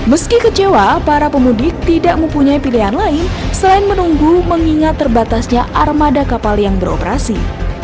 meski kecewa para pemudik tidak mempunyai pilihan lain selain menunggu mengingat terbatasnya armada kapal yang beroperasi